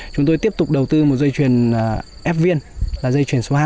chúng tôi tiếp tục đầu tư một dây chuyển fvn là dây chuyển số hai